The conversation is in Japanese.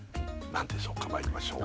何でしょうかまいりましょう